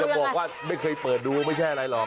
บอกว่าไม่เคยเปิดดูไม่ใช่อะไรหรอก